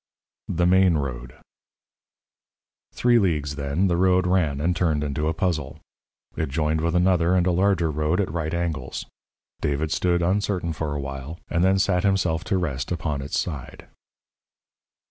THE MAIN ROAD _Three leagues, then, the road ran, and turned into a puzzle. It joined with another and a larger road at right angles. David stood, uncertain, for a while, and then sat himself to rest upon its side.